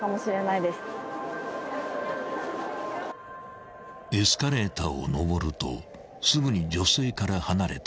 ［エスカレーターを上るとすぐに女性から離れた男］